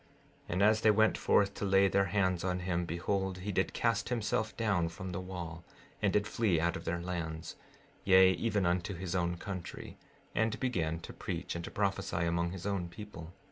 16:7 And as they went forth to lay their hands on him, behold, he did cast himself down from the wall, and did flee out of their lands, yea, even unto his own country, and began to preach and to prophesy among his own people.